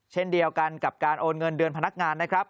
เช่นเดียวกันกับการโอนเงินเดือนพนักงานนะครับ